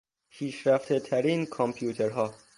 پیشرفتهترین کامپیوترها